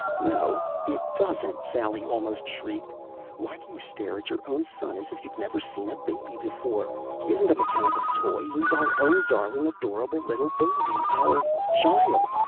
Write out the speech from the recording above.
"No, it doesn't!" Sally almost shrieked. "Why do you stare at your own son as if you'd never seen a baby before? He isn't a mechanical toy. He's our own darling, adorable little baby. _Our child!